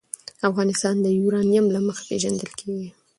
افغانستان د یورانیم له مخې پېژندل کېږي.